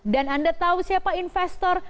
dan anda tahu siapa investor